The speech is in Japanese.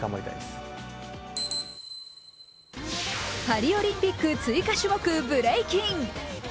パリオリンピック追加種目ブレイキン。